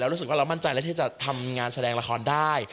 รู้สึกว่าเรามั่นใจแล้วที่จะทำงานแสดงละครได้